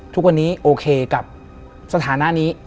ทุกวันนี้โอเคกับสถานะนี้